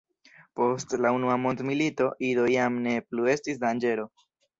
Post la unua mondmilito Ido jam ne plu estis danĝero.